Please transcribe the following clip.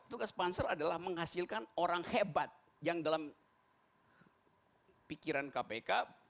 tugas pansel adalah menghasilkan orang hebat yang dalam pikiran kpk